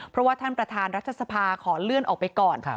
เพราะว่าท่านประธานรัฐสภาขอเลื่อนออกไปก่อน